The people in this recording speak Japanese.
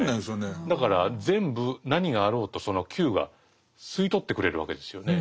だから全部何があろうとその「Ｑ」が吸い取ってくれるわけですよね。